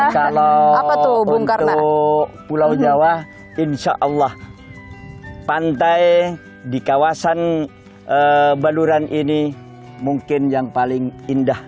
kalau untuk pulau jawa insya allah pantai di kawasan baluran ini mungkin yang paling indah